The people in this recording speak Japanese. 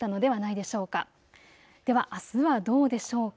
では、あすはどうでしょうか。